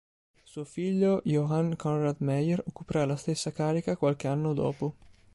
Suo figlio Johann Conrad Meyer occuperà la stessa carica qualche anno dopo.